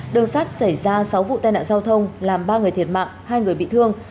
đường sắt xảy ra sáu vụ tai nạn giao thông làm ba người thiệt mạng hai người bị thương